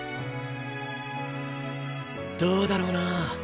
どうだろうな？